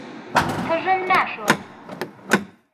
قژم ناشۆم.